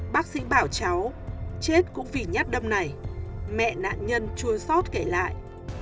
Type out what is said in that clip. bác sĩ bảo cháu chết cũng vì nhát đâm này mẹ nạn nhân chua sót kể lại